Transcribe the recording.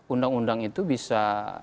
undang undang itu bisa